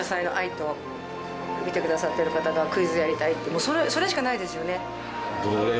もうそれしかないですよね